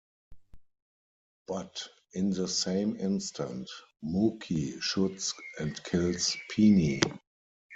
But in the same instant, Mookie shoots and kills Pini.